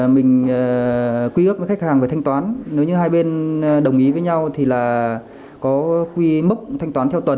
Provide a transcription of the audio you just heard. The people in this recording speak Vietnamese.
mình quy ước với khách hàng về thanh toán nếu như hai bên đồng ý với nhau thì là có mức thanh toán theo tuần